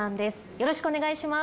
よろしくお願いします。